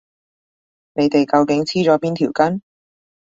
你哋究竟黐咗邊條筋？